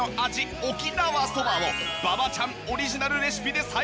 沖縄そばを馬場ちゃんオリジナルレシピで再現！